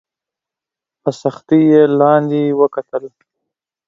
په سختۍ یې لاندي وکتل !